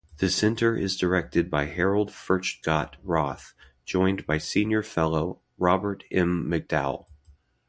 The center is directed by Harold Furchtgott-Roth, joined by senior fellow Robert M. McDowell.